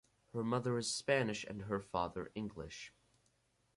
Her mother is Spanish and her father English.